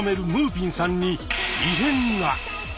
ぴんさんに異変が！